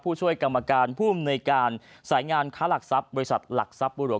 ผู้ช่วยกรรมการผู้อำนวยการสายงานค้าหลักทรัพย์บริษัทหลักทรัพย์บุหลวง